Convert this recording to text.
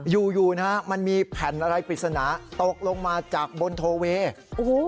อยู่อยู่นะฮะมันมีแผ่นอะไรปริศนาตกลงมาจากบนโทเวย์โอ้โห